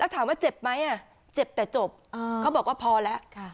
แล้วถามว่าเจ็บไหมอ่ะเจ็บแต่จบอืมเขาบอกว่าพอแล้วค่ะ